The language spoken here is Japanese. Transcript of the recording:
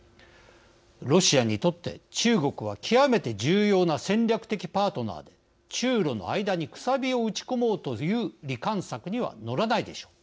ロシアにとって中国は極めて重要な戦略的パートナーで中ロの間にくさびを打ち込もうという離間策には乗らないでしょう。